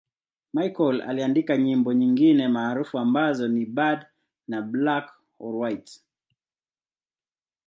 Michael aliandika nyimbo nyingine maarufu ambazo ni 'Bad' na 'Black or White'.